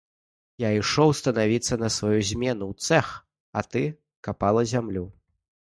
Я ішоў станавіцца на сваю змену ў цэх, а ты капала зямлю.